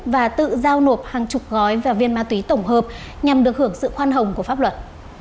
và tự giao nộp hàng chục gói và viên ma túy tổng hợp nhằm được hưởng sự khoan hồng của pháp luật